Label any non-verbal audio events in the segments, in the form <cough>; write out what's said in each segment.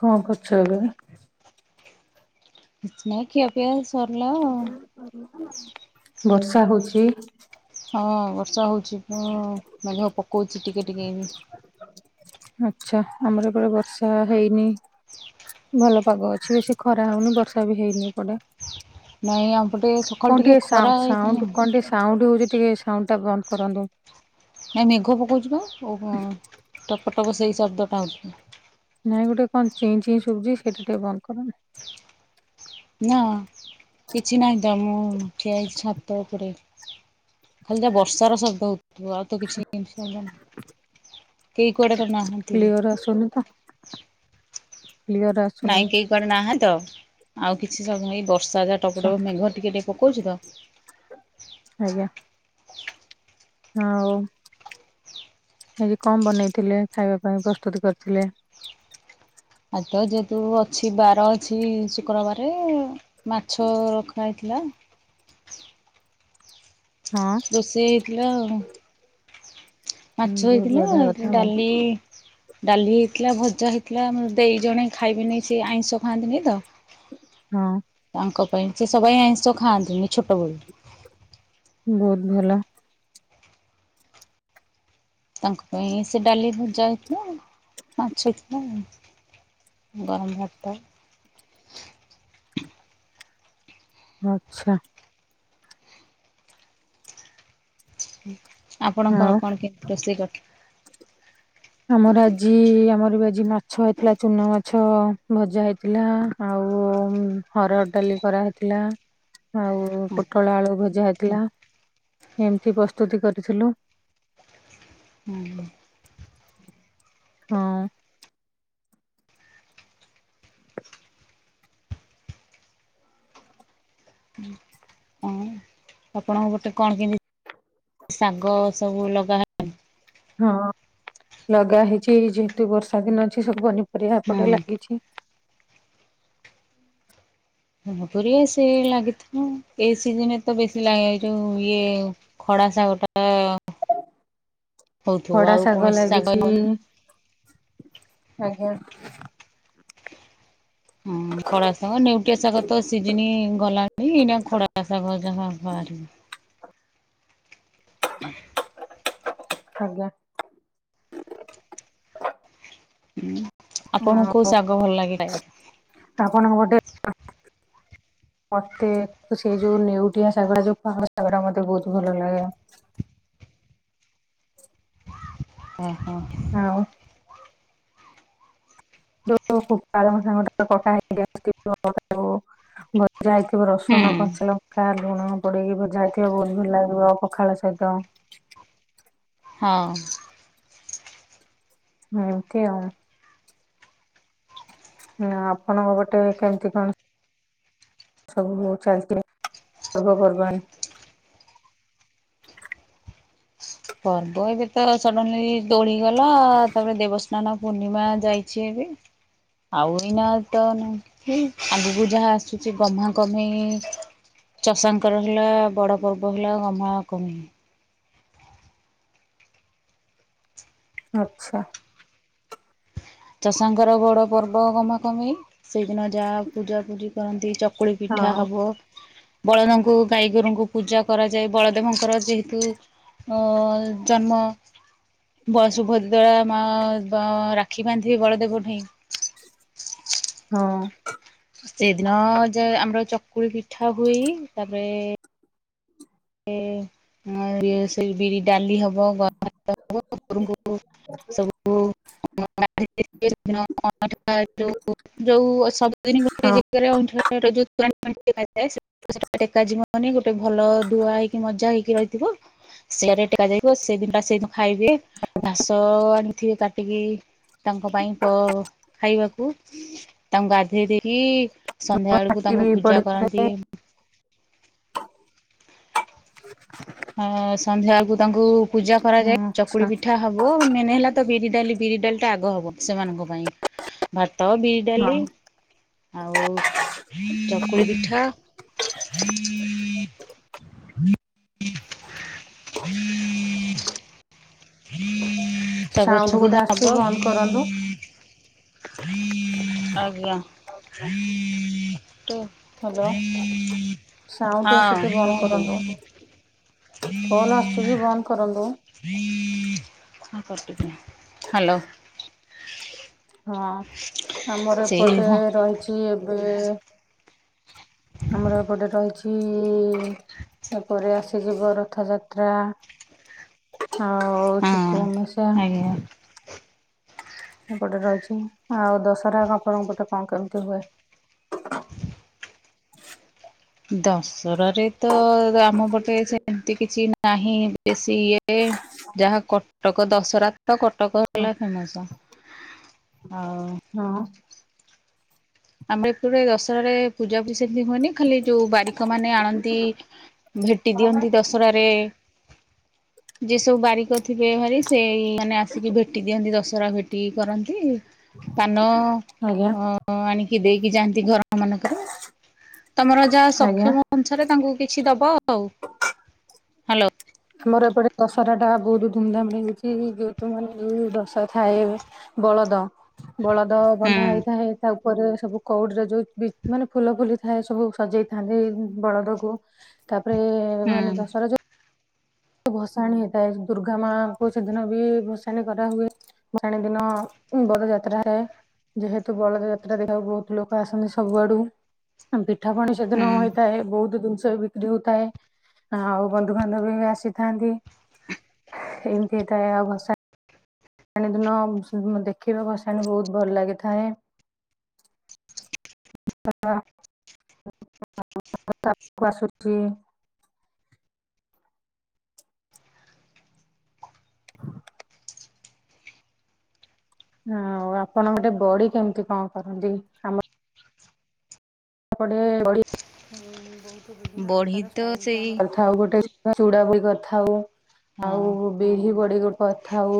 କଣ କରୁଛ ଏବେ? ନାଇଁ ଖୀଆପିଆ ସରିଲା? ଆଉ। ବର୍ଷା ହଉଚଛି। ହଁ ବର୍ଷା ହଉଛି ହୁଁପକଉଛି ଟିକେ ଟିକେ ଆଛା, ଆମର ଏବେ ବର୍ଷା ହେଇନି ଭଲ ପାଗ ଅଛି, ବେଶୀ ଖରା ହଉନି ବର୍ଷା ବି ହେଇନିଏ ପଡେ ନାଇଁ ଆମ ପଟେ ସକାଳୁ କଣ ଟିକେ ଖରା ସାଉ, ହେଇଥିଲା ସାଉଣ୍ଡ କଣ ଟିକେ ସାଉଣ୍ଡ ହଉଛି। ଟିକେ ସାଉଣ୍ଡ ଟା ବନ୍ଦ କରନ୍ତୁ। ନା ମେଘପକଉଛିବା, ଓ ଟପଟପ ସେଇ ଶବ୍ଦ ଟାଁଛ ନାଇଁ ଗୋଟେ କଣ ଚିଇଁ ଚିଇଁ ସୁବୁଜି ସେଇଟା ଟିକେ ବନ୍ଦ କରନି। ନା କିଛି ନାହିଁ ତ ମୁଁ ଆ ଛାତ ଉପରେ ଖାଲି ଯାହା ବର୍ଷାର ଶବ୍ଦ ହଉଥିବ, ଆଉ ତ କିଛି ଜିନିଷ ହେଲଣିି। କେହି କୁଆଡେ ତ ନାହାନ୍ତିି। କ୍ଲିୟର ଆସୁନି ତ କ୍ଲିୟର ଆସୁନି। ନାଇଁ କେହି କରି ନାହା ତ, ଆଉ କିଛି ସବୁଁ ବର୍ଷା ଯାହା ଆଚ୍ଛା ଟପଟପ ମେଘ ଟିକେ ଟ ପକଉଛି ତ। ଆଜ୍ଞା। ହଁ। ଏଜି କମ ବନେଇଥିଲେ ଖାଇବା ପାଇଁ ପ୍ରସ୍ତୁତ କରିଥିଲେ? ଆଉ ତ ଯହେତୁ ଅଛି ବାର ଅଛି ଶୁକ୍ରବାର ମାଛ ରଖା ହେଇ ଥିଲା। ହଁ ରୋଷେଇ ହେଇଥିଲା ଆଉ। ମାଛ ବହୁତ ବଢିଆ କଥା ହେଇଥିଲା ଆଉ ଡାଲି ଡାଲି ହେଇଥିଲା ଭଜା ହେଇଥିଲା, ଦେଇ ଜଣେ ଖାଇବେନି ସେ ଆଇଁଷ ଖାଆନ୍ତିନି ତ। ହଁ। ତାଙ୍କ ପାଇଁ ସେ ସବାଇ ଆଇଁଷ ଖାଆନ୍ତିନି ଛୋଟବେଳୁ। ବୋହୁତ ଭଲ। ତାଙ୍କ ପାଇଁ ସେ ଡାଲି ଭଜା ହେଇଥିଲା, ମାଛ ହେଇଥିଲା ଆଉ। ଗରମ ହୋଉଚିତ। ଆଚ୍ଛା। ଆପଣଙ୍କ ଆଉ କଣ କି ରୋଷେଇ କରିଥି ଆମର ଆଜି ଆମର ବି ଆଜି ମାଛ ହେଇଥିଲା ଚୁନା ମାଛ ଭଜା ହେଇଥିଲା ଆଉ। ଆଉ ହର ଡାଲି କରାହେଇଥିଲା ଆଉ ହଁ ପୋଟଳ ଆଳୁ ଭଜା ହେ ଥିଲା ଏମିତି ପ୍ରସ୍ତୁତି କରିଥିଲୁ। ହୁଁ। ହଁ। ଆପଣ ଗୋଟେ କଣ କି ଶାଗ ସବୁ ଲଗାହ ହଁ। ଲଗା ହେଇଚି ଯେହେତୁ ବର୍ଷା ଦିନ ଅଛି ସବୁ ପନିପରିବା ଏପଟେ ହଁ ଲାଗିଛି। ପପଆ ସେ ଲାଗିଥିବ ଏଇ ସିଜନରେ ତ ବେଶୀ ଲାଗେ ଯୋଉ ଇଏ ଖ <unintelligible> ଖଡ଼ା ଶାଗ ଲାଗିଚି। ଆଜ୍ଞା। ହଁ ଖଡ଼ା ଶାଗ ନେଉଟିଆ ଶାଗ ତ ସିଜିନି ଗଲାଣି ଏଇନା ଖଡ଼ା ଶଗ ଯାହା ବାହାରିବ। <inaudible> ଆଜ୍ଞା। <inaudible> ହୁଁ ଆପଣଙ୍କୁ କୋଉ ଶାଗ ଭଲ ଲାଗେ ଖାଇବାକୁ? ଆପଣଙ୍କୁ ଗୋଟେ ମତେ ସେଇ ଯୋଉ ନେଉଟିଆ ଶାଗଟା ଯୋଉ <unintelligible> ସେଗୁଡା ମତେ ବୋହୁତ ଭଲ ଲାଗେ। <inaudible> ଓ ହୋ। ଆଉ <unintelligible> ପାଳଙ୍ଗ ଶାଗ <unintelligible> ଯାଇଥିବ ହୁଁ ରସୁଣ ଗଞ୍ଚା ଲଙ୍କା ଲୁଣ ପଡ଼ିକି ଭଯାହେଇଥିବ ବୋହୁତ ଭଲ ଲାଗିବ ପଖାଳ ସହିତ। ହଁ। ଆହୁଁ ଏମିତି ଆଉ। ନା ଆପଣଙ୍କ ଗୋଟେ କେମିତି ସବୁ ଚାଲିଚି ପର୍ବପର୍ବାଣି? <inaudible> ପର୍ବ ଏବେ ତ ସଡନଲି ଦୋଳି ଗଲା ତାପରେ ଦେବସା ସ୍ନାନ ପୂର୍ଣ୍ଣିମା ଯାଇଛି ଏବେ। ଆଉ ଏଇନା ତ ଆଗକୁ ଯାହା ଆସୁଚି ଗମା କମେଇ ଚଷାଙ୍କର ହେଲା ବଡ ପର୍ବ ହେଲା ଗମା କମି ଆଚ୍ଛା। ଚଷାଙ୍କର ବଡ ପର୍ବ ଘମାପୁନେଇ ସେଇଦିନ ଯାହା ପୂଜା ପୂଜି କରନ୍ତି ଚ ଚୁକୁଳି ପିଠା ହଁ ହେବ। ବଳଦଙ୍କୁ ଗାଈଗୋରୁଙ୍କୁ ପୂଜା କରାଯାଏ ବଳଦେବଙ୍କର ଯେହେତୁ ଅ ଜନ୍ମ ବୟସୁଭଦ୍ରା ଦଳା ମା ବା ରା ରାକ୍ଷୀ ବାନ୍ଧିବେ ବଳଦେବ ଠେଇଁ। ହଁ। ସେଦିନ ଯେ ଆମର ଚକୁଳି ପିଠା ହୁଅଇ ତାପରେ ଏ ମୁଁବି ସେଇ ବିରି ଡାଲି ହବ ଗ <unintelligible> ସବୁ <unintelligible> ଆ ଯୋଉ ଯୋଉ ସବୁଦିନ ଗୋଟେ ପାଟି ଯେଗାରେ ଅଇଁଠା <unintelligible> ଏ ଟୋଯିବନି ଗୋଟେ ଭଲ ଧୁଆ ହେଇକି ମଜା ହେଇକି ରହିଥିବ ସେଆଡେ ଟେକା ଯାଇିଥିବ ସେଇ ଦିନ ଟା ସେଇଦିନ ଖାଇବେ ଘାସ ଆଣିଥିବେ କାଟିକି। ତାଙ୍କ ପାଇଁ କ ଖାଇବାକୁ, ତାଙ୍କୁ ଗାଧେଇ ଦେଲି। ସନ୍ଧ୍ୟା ବେଳକୁ ତାଙ୍କୁ ବି ପୂଜା କରନ୍ତି। ପଡିଥାଏ ହ ସନ୍ଧ୍ୟାବେଳକୁ ତାଙ୍କୁ ପୂଜା କରାଯାଏ। ଚକୁଳି ଆଚ୍ଛା। ପିଠା ହବ ମେନ ହେଲା ତ ବିରି ଡାଲି ବିରି ଡାଲି ଟା ଆଗ ହବ ସେମାନଙ୍କ ପାଇଁ। ଭାତ ବିରି ଡାଲି ହଁ ଆଉ ଚକୁଳି ପିଠା। ତା ସାଉଣ୍ଡ ପଛକୁ ଗୋଟେ ହବ ଆସୁଛି ବନ୍ଦ କରନ୍ତୁ। ଆଜ୍ଞା। ଟ ହ୍ୟାଲୋ ସାଉଣ୍ଡ ଆସୁଛି ହଁ କୁହନ୍ତୁ। ଫୋନ୍ ଆସୁଛି କି ବନ୍ଦ କରନ୍ତୁ। ହ୍ୟାଲୋ। ହଁ ଆମର ସେ ଏପଟେ ହଁ ରହିଛି ଏବେ। ଆମର ଏପଟେ ରହିଛି ଇ ଏପରେ ଆସିଯିବ ରଥଯାତ୍ରା। ହଉଛିି ତୁ ମି ସେଆ। ଆଜ୍ଞା ସେପଟେ ରହିଛି ଆଉ ଦଶହରା ଆପଣଙ୍କ ପଟେ କଣ କେମିତି ହୁଏ। ଦଶରାରେ ତ ଆମ ପଟେ ସେମିତି କିଛି ନା ନାହିଁ ବେଶୀ ଇଏ ଯାହା କଟକ ଦଶହରା। ତ କଟକ ହଁ ହେଲା ଫେମସ ଆଉ। ହଁ ଆମର ଏପଟେ ଦଶହରାରେ ପୂଜା ସେମିତି ହୁଏନି ଖାଲି ଯୋଉ ବାରିକ ମାନେ ଆଣନ୍ତି ଭେଟି ଦିଅନ୍ତି ଦଶରାରେ। ଯେ ସବୁ ବାରିକ ଥିବେ ଭାରି ସେ ମାନେ ଆସିକି ଭେଟି ଦିଅନ୍ତି ଦଶ ରା ଭେଟି କରନ୍ତି। ପାନ ଆଜ୍ଞା ଅ ଆଣିକି ଦେଇକି ଯାଆନ୍ତି ଘର ଆମାନଙ୍କର। ତମର ଯାହା ଆଜ୍ଞା। ସକ୍ଷମ ଅନୁସାରେ ତାଙ୍କୁ କିଛି ଦବ ଆଉ। ହାଲୋ। ଆମର ଏପଟେ ଦଶରା ଟା ବହୁତ ଧୁମଧାମରେ ହେଉଛି ଯେହେତୁ ମାନେ ଦଶରା ଥାଏ। ବ ବଳଦ ବଳଦ ହୁଁ ବନ୍ଧା ହେଇଥାଏ ତା ପରେ ସବୁ କଉଡିରେ ଯୋଉ ମାନେ ଫୁଲ ଫୁଲି ଥାଏ ସବୁ ସଜେଇ ଥାନ୍ତି ବଳଦକୁ। ତା ରେ ହୁଁ ମାନେ ଦଶହରା ଯ ଭସାଣି ହେଇଥାଏ। ଦୁର୍ଗା ମାଙ୍କୁ ସେଦିନ ବି ଭସାଣିୀ କରାହୁଏ। ଭସାଣି ଦିନ ବଡ଼ ଯାତ୍ରାରେ ଯେହେତୁ ବଳଦ ଯାତ୍ରା ଦେଖିବାକୁ ବହୁତ ଲୋକ ଆସନ୍ତି ସବୁଆଡୁ। ବି ପିଠା ପଣି ସେଦିନ ହୁଁ ହୋଇଥାଏ ବହୁତ ଜିନିଷ ବିକ୍ରି ହଉଥାଏ। ଆଉ ବନ୍ଧୁବାନ୍ଧବ ଆସି ଥାନ୍ତି ଏମିତି ହେଇଥାଏ ଆଉ ଭଷା ଣି ଦିନ ଦେଖିବାକୁ ଭସାଣି ବହୁତ ଭଲ ଲାଗିଥାଏ। <unintelligible> ପାକୁ ଆସୁଛି। ଆଉ ଆପଣ ଗୋଟେ ବଡି କେମିତି କଣ କରନ୍ତି? ଆମ ବହୁତ ବିଭିନ୍ନ ବଢି ପ୍ରକାର ତ ଷ୍ଟାଇଲରେ ସେଇ ଆମ ଚୁଡା ବଡ଼ି କରି ଥାଉ, ହଁ ଆଉ ବିରି ବଡି କରି ଥାଉ।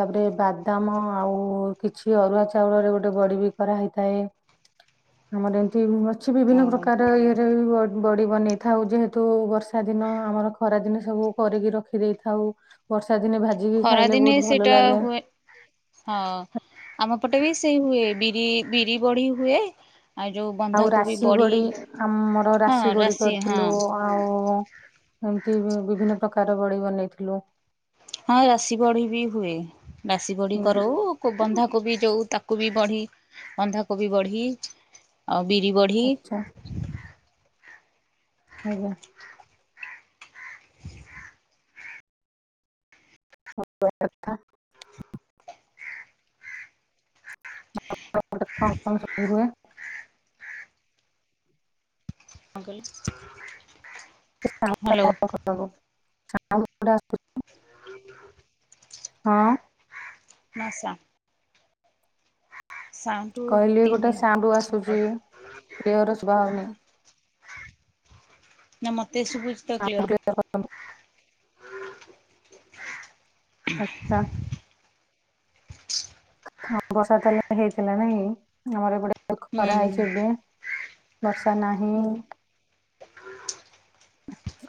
ତାପରେ ବାଦାମ ଆଉ କିଛି ଅରୁଆ ଚାଉଳରେ ଗୋଟେ ବଡି ବି କରାହେଇଥାଏ। ଆମର ଏମିତି ଅଛି ବିଭିନ୍ନ ହଁ ପ୍ରକାର ଇଏରେ ବ ବଡି ବନେଇଥାଉ ଯେହେତୁ ବର୍ଷା ଦିନ ଆମର ଖରା ଦିନ ସବୁ କରିକି ରଖି ଦେଇଥାଉ। ବର୍ଷା ଦିନେ ଭାଜିକି ଖରା ଖାଇଲେ ଦିନେ ବହୁତ ଭଲ ସେଇଟା ଲାଗେ ହୁଏ। ହଁ ଆମ ପଟେ ବି ସେଇ ହୁଏ। ବିରି ବିରି ବଡ଼ି ହୁଏ। ଆଉ ଯୋଉ ଆଉ ବନ୍ଧାକୋବି ରାଶି ବଢି ବଡି, ଆମର ହଁ ରାଶି ବଡି ହଁ କରିଥିଲୁ ଆଉ। ଏମତି ବିଭିନ୍ନ ପ୍ରକାର ବଡି ବନେଇଥିଲୁ। ହଁ ରାଶି ବଢ଼ି ବି ହୁଏ। ରାଶି ବଡି ହୁଁ କରଉ ବନ୍ଧା କୋବି ଯୋଉ ତାକୁ କୁ ବଢ଼ି, ବନ୍ଧା କୋବି ବଢ଼ି ଆଉ ବିରି ବଢ଼ି। ଆଚ୍ଛା ଆଜ୍ଞା। ହବା କଥା। ଆଉ ସେପଟେ କଣ କଣ ସବୁ ହୁଏ। ସାଉଣ୍ଡ ହ୍ୟାଲୋ ଟା। <inaudible> ସାଉଣ୍ଡ ପୁରା <inaudible> ହଁ। ମାସା, କହିଲି ଗୋଟେ ତିନି ସାଉଣ୍ଡ ଆସୁଛି କ୍ଲିୟର ସୁଭା ହଉନି। ନା ମତେ ସୁଭୁଛିି ତ ସାଉଣ୍ଡ କ୍ଲିୟର କରନ୍ତୁ। କ୍ଲିୟର। ଆଚ୍ଛା। ହଁ ବର୍ଷା ତାହେଲେ ହେଇଥିଲା ନାଇଁକି, ଆମର ଏପଟେ ଖରା ହେଇଛି ହୁଁ ଏବେ। ବର୍ଷା ନାହିଁ।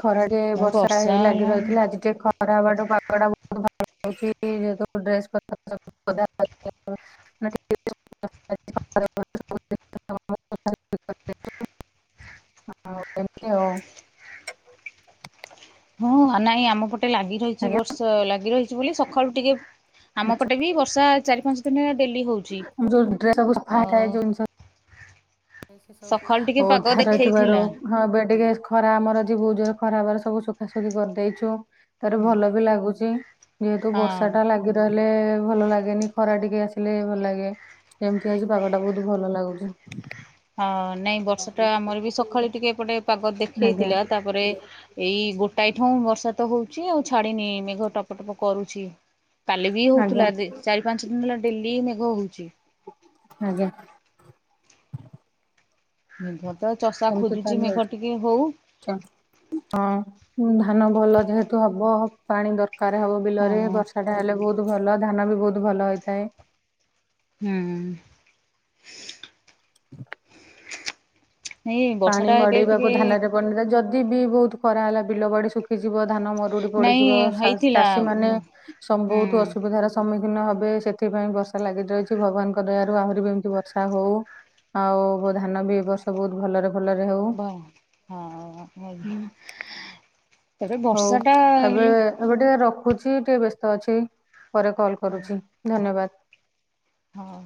ଖରାଟେ ବର୍ଷା ହେଇ ଲାଗି ରହିଥିଲା ଆଜି ଟିକେ ଖରା ହବାଠୁ ପାଗଟା ବହୁତ ଭଲ। ମୁଁ <inaudible> ଡ୍ରେସ୍ <inaudible> <inaudible> ଆଉ ଏମିତି ଆଉ। ହଁ ନାଇଁ ଆମ ପଟେ ଲାଗି ରହିଛି ଆଜ୍ଞା ବର୍ଷା। ଲାଗି ରହିଛି ବୋଲି ସକାଳୁ ଟିକେ ଆମ ଆଚ୍ଛା ପଟେ ବି ବର୍ଷା ଚାରି ପାଞ୍ଚ ଦିନ ହେଲା ଡେଲି ହଉଛି। ଯୋଉ ଡ୍ରେସ ସବୁ ଆଉ ସକାଳୁ ଟିକେ ପାଗ ଉଦ୍ଧାର ଥିବାରୁ ଦେଖେଇଥିଲା ହଁ ଏବେ ଟିକେ ଖରା ଆମର ଆଜି ବହୁତ ଜୋର। ଖରା ହବାରୁ ସବୁ ସୁୁଖାସୁଖି କରିଦେଇଛୁ ତାର ଭଲ ବି ଲାଗୁଛି। ଯେହେତୁ ହଁ। ବର୍ଷା ଟା ଲାଗି ରହିଲେ ଭଲ ଲାଗେନି। ଖରା ଟିକେ ଆସିଲେ ଭଲ ଲାଗେ। ଏମିତି ଆଜି ପାଗ ଟା ବହୁତ ଭଲ ଲାଗୁଛି। ହଁ ନାଇଁ ବର୍ଷା ଟା ଆମର ବି ସକାଳେ ଟିକେ ଏପଟେ ପାଗ ଆଜ୍ଞା ଦେଖେଇଥିଲା ତାପରେ ଏଇ ଗୋ ଟାଏ ଠୁ ବର୍ଷା ତ ହଉଛି ଆଉ ଛାଡିିନି ମେଘ ଟପ ଟପ କରୁଛି। କାଲି ବି ଆଜ୍ଞା ହଉଥିଲା ଦି ଚାରି ପାଞ୍ଚ ଦିନ ହେଲା ଡେଲି ମେଘ ହଉଛି। ଆଜ୍ଞା। ମେଘ ତ ଚଷା ସେମିତି ଖୋଜୁଛି ତାହେଲେ ମେଘ ରହିଛି। ଟିକେ ହଉ। ଧାନ ଭଲ ଯେହେତୁ ହବ ପାଣି ଦରକାର ହବ ହଁ ବିଲରେ ହଁ ବର୍ଷା ଟା ହେଲେ ବହୁତ ବହୁତ ଭଲ ଧାନ ବି ବହୁତ ଭଲ ହେଇଥାଏ। ହୁଁ। ନାଇଁ ବର୍ଷା ପାଣି ଟା ଏବେ ମଡେଇବାକୁ ଟିକେ ଧାନରେ ପଡ଼ିନଥାଏ ଯଦି ବି ବହୁତ ଖରା ହେଲା ବିଲ ବାଡ଼ି ଶୁଖିଯିବ। ଧାନ ମରୁଡ଼ି ନାଇଁ ପଡ଼ିଯିବ। ହେଇଥିଲା ଚାଷୀ ମାନେ ହୁଁ ବହୁତ ଅସୁବିଧାର ସମ୍ମୁଖୀନ ଖିନ ହେବେ ସେଥିପାଇଁ ବର୍ଷା ଲାଗି ରହିଛି ଭଗବାନଙ୍କ ଦୟାରୁ ଆହୁରି ବି ଏମିତି ବର୍ଷା ହଉ। ଆଉ ଧାନ ବି ଏ ବର୍ଷ ବହୁତ ଭଲରେ ଭଲରେ ହଉ ବ ହଁ, ତାପରେ ହଉ ବର୍ଷା ଟା ଏବେ ହେଲେ ଏବେ ଟିକେ ରଖ ରଖୁଛି ଟିକେ ବ୍ୟସ୍ତ ଅଛି। ପରେ କଲ କରୁଛି ଧନ୍ୟବାଦ। ହଉ।